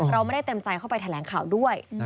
เราไม่ได้เต็มใจเข้าไปแถลงข่าวด้วย